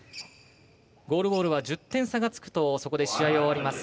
ゴールボールは１０点差がつくとそこで試合が終わります。